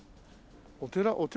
お寺？